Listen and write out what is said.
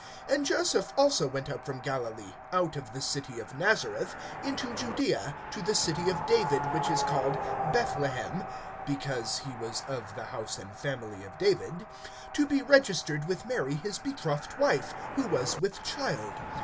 (4)And Joseph also went up from Galilee, out of the city of Nazareth, into Judaea, to the city of David which is called Bethlehem (because he was of the house and family of David), (5)to be registered with Mary his betrothed wife, who was with child.